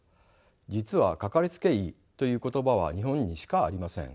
実はかかりつけ医という言葉は日本にしかありません。